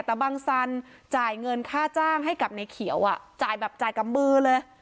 แต่บังสันจ่ายเงินค่าจ้างให้กับในเขียวอ่ะจ่ายแบบจ่ายกับมือเลย